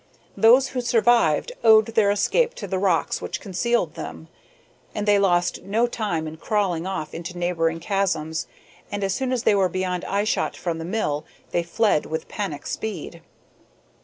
Those who survived owed their escape to the rocks which concealed them, and they lost no time in crawling off into neighboring chasms, and, as soon as they were beyond eye shot from the mill, they fled with panic speed.